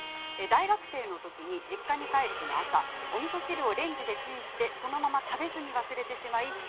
大学生の時に実家に帰る日の朝おみそ汁をレンジでチンしてそのまま食べずに忘れてしまいました。